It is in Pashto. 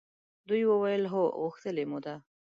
دوی وویل هو! غوښتلې مو ده.